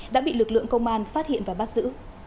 đã bị lực lượng công an phát hiện và bắt giữ